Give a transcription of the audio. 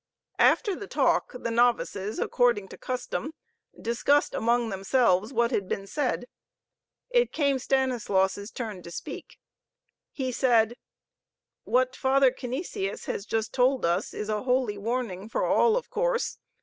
After the talk, the novices, according to custom, discussed amongst themselves what had been said. It came Stanislaus' turn to speak. He said: "What Father Canisius has just told us is a holy warning for all, of course.